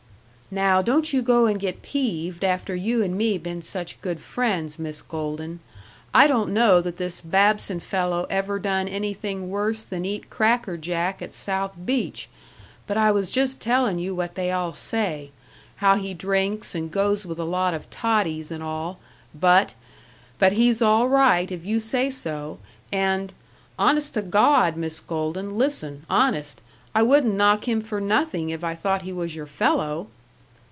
"Now don't you go and get peeved after you and me been such good friends, Miss Golden. I don't know that this Babson fellow ever done anything worse than eat cracker jack at South Beach, but I was just telling you what they all say how he drinks and goes with a lot of totties and all; but but he's all right if you say so, and honest t' Gawd, Miss Golden, listen, honest, I wouldn't knock him for nothing if I thought he was your fellow!